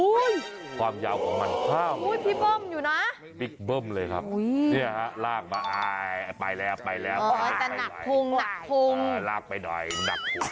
อุ้ยความยาวของมันอุ้ยพี่เบิ้มอยู่นะพี่เบิ้มเลยครับอุ้ยเนี่ยฮะลากมาอ่าไปแล้วไปแล้วเออแต่หนักพุงหนักพุงอ่าลากไปหน่อยหนักพุง